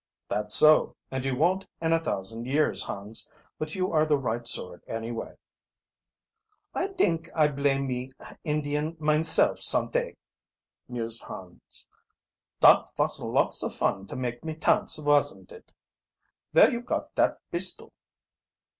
"That's so, and you won't in a thousand years, Hans. But you are the right sort, any way." "I dink I blay me Indian mineselluf some tay," mused Hans. "Dot vos lots of fun to make me tance, vosn't it? Vere you got dot bistol?"